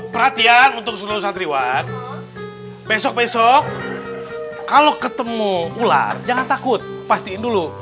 perhatian untuk seluruh santriwan besok besok kalau ketemu ular jangan takut pastiin dulu